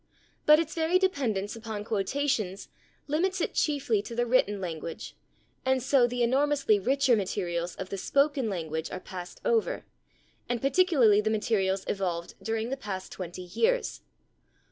But its very dependence upon quotations limits it chiefly to the written language, and so the enormously richer materials of the spoken language are passed over, and particularly the materials evolved during the past twenty years.